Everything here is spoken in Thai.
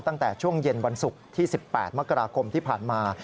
ตั้งแต่ช่วงเย็นวันศุกร์ที่๑๘มกราคมที่ผ่านมา